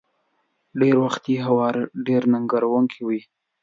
ډېری وخت يې هوارول ډېر ننګوونکي وي.